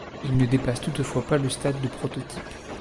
Il ne dépasse toutefois pas le stade de prototype.